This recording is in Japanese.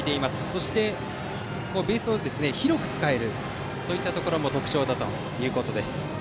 そして、ベースを広く使えるところも特徴だということです。